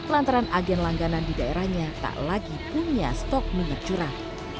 lantaran agen langganan di daerahnya tak lagi punya stok minyak curah